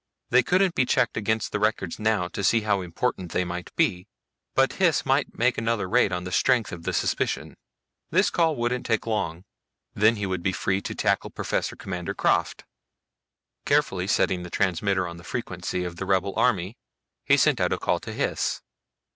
They couldn't be checked against the records now to see how important they might be, but Hys might make another raid on the strength of the suspicion. This call wouldn't take long, then he would be free to tackle Professor Commander Krafft. Carefully setting the transmitter on the frequency of the rebel army, he sent out a call to Hys.